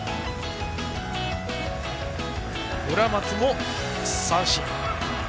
村松も三振。